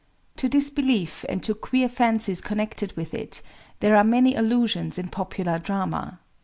To this belief, and to queer fancies connected with it, there are many allusions in popular drama.